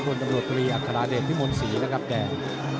กลุ่มตำรวจตรีอัฐราเดชพิมนศ์ศรีนะครับแดง